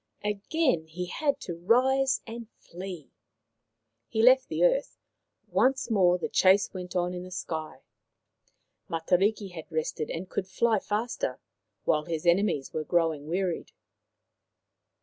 Again he had to rise and flee. He left the earth ; once more the chase went on in the sky. Matariki had rested and could fly faster, while his enemies were growing wearied.